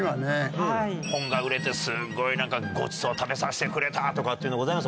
本が売れて、すごいなんかごちそう食べさせてくれたとかっていうの、あります？